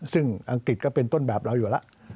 ซึ่งอังกฤษก็เป็นต้นแบบเราอยู่แล้ว